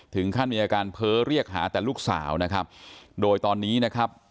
ถึงขั้นมีอาการเพ้อเรียกหาแต่ลูกสาวนะครับโดยตอนนี้นะครับ